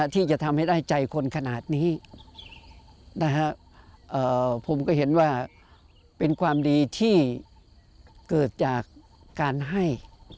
ที่จะทำให้ได้ใจคนขนาดนี้ผมก็เห็นว่าเป็นความดีที่เกิดจากการให้